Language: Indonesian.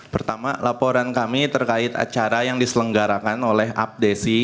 pertama laporan kami terkait acara yang diselenggarakan oleh apdesi